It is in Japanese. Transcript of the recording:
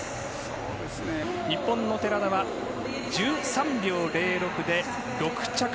日本の寺田は１３秒０６で６着。